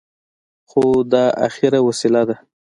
خو دا اخري وسيله ده.